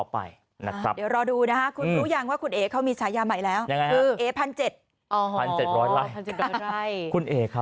เป็นห่วงนะที่พูด